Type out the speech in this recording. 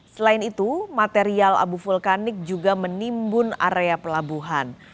selain itu material abu vulkanik juga menimbun area pelabuhan